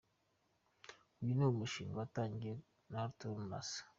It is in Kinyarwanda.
Uyu ni umushinga watangijwe na Arthur Murara.